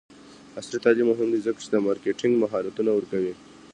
عصري تعلیم مهم دی ځکه چې د مارکیټینګ مهارتونه ورکوي.